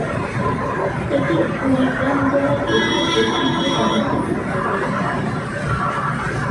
এটি কুড়িগ্রাম জেলার একটি ঐতিহ্যবাহী শিক্ষা প্রতিষ্ঠান।